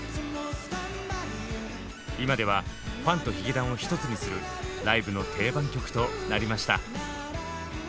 今ではファンとヒゲダンを一つにするライブの定番曲となりました。